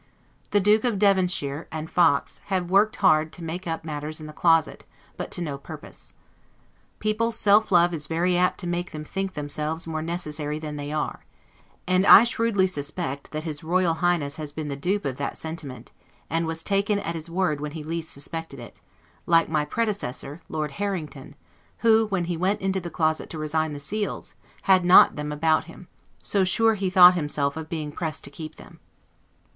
The Duke of Devonshire and Fox have worked hard to make up matters in the closet, but to no purpose. People's self love is very apt to make them think themselves more necessary than they are: and I shrewdly suspect, that his Royal Highness has been the dupe of that sentiment, and was taken at his word when he least suspected it; like my predecessor, Lord Harrington, who when he went into the closet to resign the seals, had them not about him: so sure he thought himself of being pressed to keep them.